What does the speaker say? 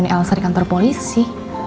mau temuin elsa di kantor polisi